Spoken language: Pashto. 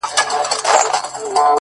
• تا پخپله جواب کړي وسیلې دي,